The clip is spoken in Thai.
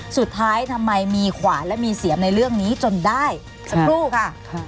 ทำไมมีขวานและมีเสียมในเรื่องนี้จนได้สักครู่ค่ะ